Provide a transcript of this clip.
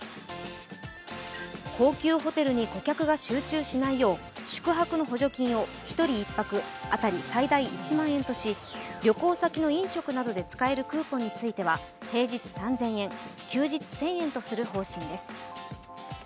高級ホテルに顧客が集中しないよう宿泊の補助金を１人１泊当たり最大１万円とし、旅行先の飲食などで使えるクーポンについては平日３０００円、休日１０００円とする方針です。